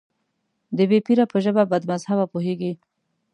د بې پيره په ژبه بدمذهبه پوهېږي.